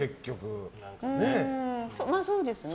まあ、そうですね。